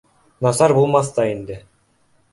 Насар булмаҫ та инде